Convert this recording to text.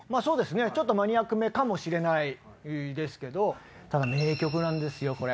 清塚：ちょっとマニアックめかもしれないですけどただ名曲なんですよ、これ。